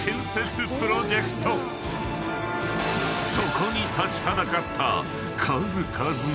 ［そこに立ちはだかった］